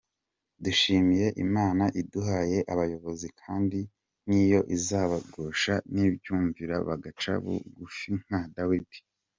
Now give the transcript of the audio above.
Dushimiye Imana iduhaye abayobozi kandi niyo izabashoboza nibayumvira bagaca bugufi nka Dawidi.